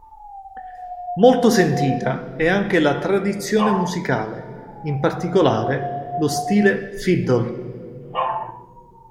Molto sentita è anche la tradizione musicale, in particolare lo stile fiddle.